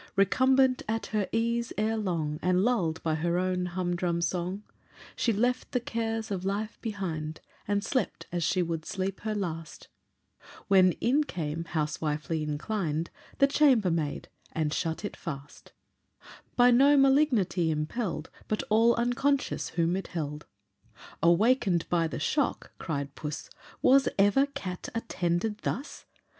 Recumbent at her ease, ere long, And lull'd by her own humdrum song, She left the cares of life behind, And slept as she would sleep her last, When in came, housewifely inclined, The chambermaid, and shut it fast; By no malignity impell'd, But all unconscious whom it held. Awaken'd by the shock (cried Puss) "Was ever cat attended thus?